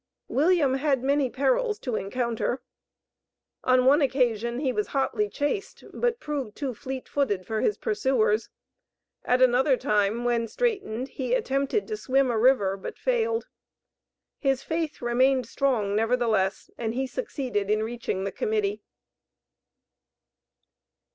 William had many perils to encounter. On one occasion he was hotly chased, but proved too fleet footed for his pursuers. At another time, when straitened, he attempted to swim a river, but failed. His faith remained strong, nevertheless, and he succeeded in reaching the Committee.